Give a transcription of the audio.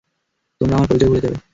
তোমরা আমার পরিচয় ভুলে যাবে।